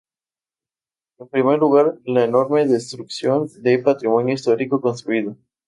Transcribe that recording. En primer lugar, la enorme destrucción de patrimonio histórico construido.